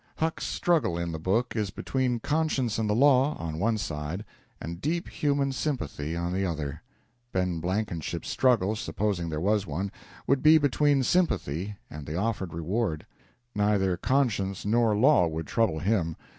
Huck's struggle in the book is between conscience and the law, on one side, and deep human sympathy on the other. Ben Blankenship's struggle, supposing there was one, would be between sympathy and the offered reward. Neither conscience nor law would trouble him.